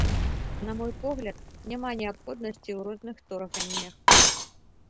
На мой погляд, няма неабходнасці ў розных торганнях.